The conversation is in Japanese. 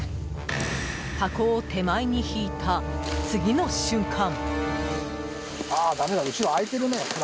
箱を手前に引いた次の瞬間。